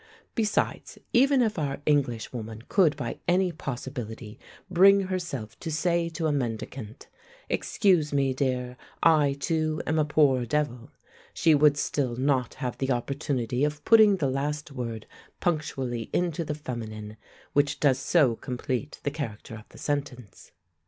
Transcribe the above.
Besides, even if our Englishwoman could by any possibility bring herself to say to a mendicant, "Excuse me, dear; I, too, am a poor devil," she would still not have the opportunity of putting the last word punctually into the feminine, which does so complete the character of the sentence.